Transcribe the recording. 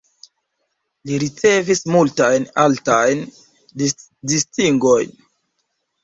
Li ricevis multajn altajn distingojn.